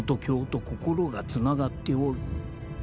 卿と心がつながっておる∈